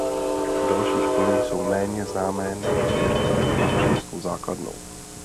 Další školy jsou méně známé nebo s nedostatečnou členskou základnou.